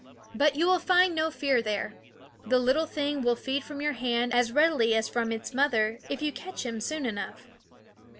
But you will find no fear there. The little thing will feed from your hand as readily as from its mother, if you catch him soon enough.